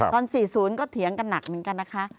ตอน๔๐ก็เถียงกันหนักเหมือนกันนะคะ